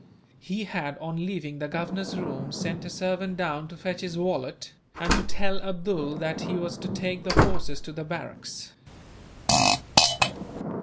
He had, on leaving the Governor's room, sent a servant down to fetch his wallet, and to tell Abdool that he was to take the horses to the barracks.